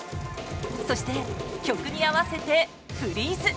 そして曲に合わせてフリーズ。